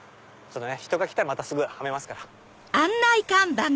人が来たらまたすぐはめますから。